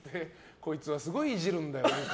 こいつはすごいイジるんだよ